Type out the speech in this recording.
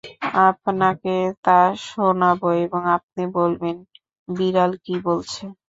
আপনাকে তা শোনাব এবং আপনি বলবেন-বিড়াল কী বলছে।